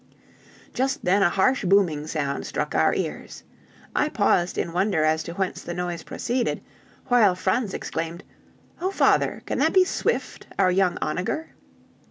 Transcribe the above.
Just then a harsh booming sound struck our ears. I paused in wonder as to whence the noise proceeded, while Franz exclaimed, "Oh, father, can that be Swift, our young onager?"